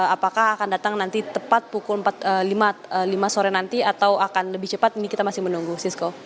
apakah akan datang nanti tepat pukul lima sore nanti atau akan lebih cepat ini kita masih menunggu sisko